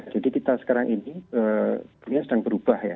jadi kita sekarang ini dunia sedang berubah ya